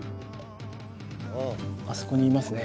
あそこにいますね。